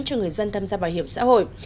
cho người dân tham gia bảo hiểm xã hội